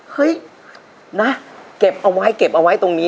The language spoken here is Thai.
เฮ้ยนะเก็บเอาไว้เก็บเอาไว้ตรงนี้